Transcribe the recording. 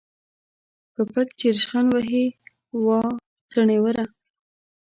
په پک چې پوسخند وهې ، وا څوڼوره.